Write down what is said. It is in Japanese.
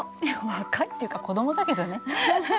若いっていうか子どもだけどね。